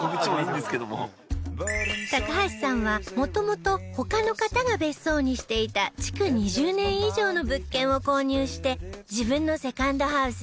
高橋さんはもともと他の方が別荘にしていた築２０年以上の物件を購入して自分のセカンドハウスに